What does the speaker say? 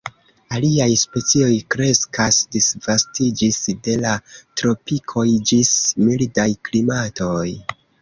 Aliaj specioj kreskas, disvastiĝis de la tropikoj ĝis mildaj klimatoj.